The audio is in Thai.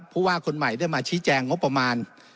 ผู้ว่าคนใหม่ได้มาชี้แจงงบประมาณ